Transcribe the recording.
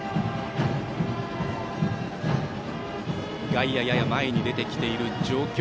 外野、やや前にできている状況。